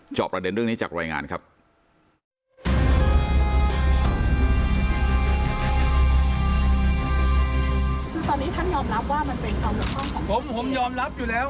จอบประเด็นเรื่องนี้จากรายงานครับ